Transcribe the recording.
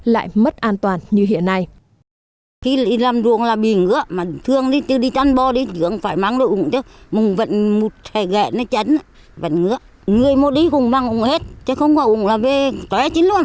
lại mất an toàn như hiện nay